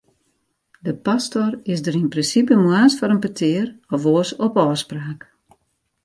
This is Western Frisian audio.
De pastor is der yn prinsipe moarns foar in petear, of oars op ôfspraak.